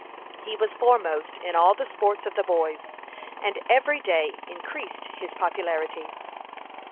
He was foremost in all the sports of the boys, and every day increased his popularity.